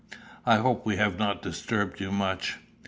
I hope we have not disturbed you much."